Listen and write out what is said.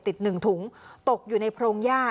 ติดหนึ่งถุงตกอยู่ในโพรงย่า